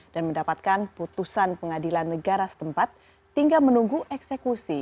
mendapatkan putusan pengadilan negara setempat tinggal menunggu eksekusi